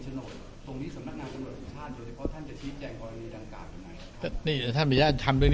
ฉโนโลตรงนี้สำรรค์นักกล่อสุขชาติอยู่ไหมเพราะท่านจะชี้แจงกรณีดังกราศอยู่ไหน